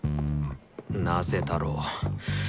なぜだろう。